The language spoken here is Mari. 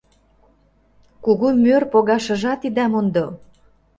Кугу мӧр погашыжат ида мондо.